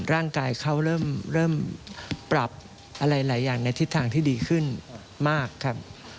ร่างกายเขาเริ่มปรับอะไรหลายอย่างในทิศทางที่ดีขึ้นมากครับ